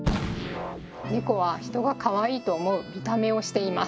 ネコは人がかわいいと思う見た目をしています。